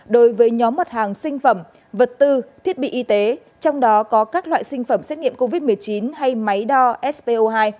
đối với nhóm mặt hàng sinh phẩm vật tư thiết bị y tế trong đó có các loại sinh phẩm xét nghiệm covid một mươi chín hay máy đo sco hai